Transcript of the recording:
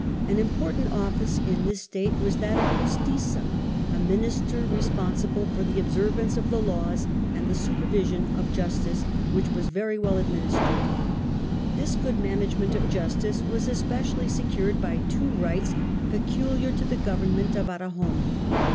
An important office in this State was that of Justiza, a minister responsible for the observance of the laws and the supervision of justice, which was very well administered. This good manage ment of justice was especially secured by two rights peculiar to the government of Aragon.